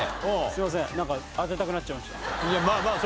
すいません。